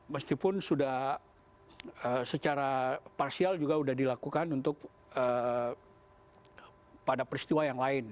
meskipun sudah secara parsial juga sudah dilakukan untuk pada peristiwa yang lain